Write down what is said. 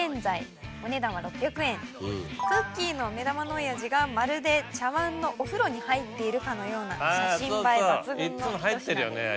クッキーの目玉のおやじがまるで茶わんのお風呂に入っているかのような写真映え抜群のひと品です。